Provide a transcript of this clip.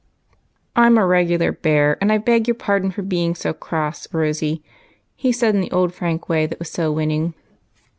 "I'm a regular bear, and I beg your pardon for being so cross. Rosy," he said n the old frank way that was so winning.